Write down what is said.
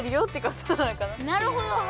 なるほど。